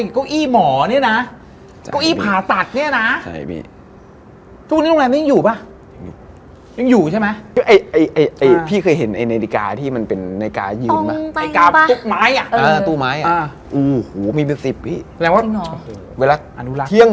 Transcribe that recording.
อ๋อการปรีงการขโมย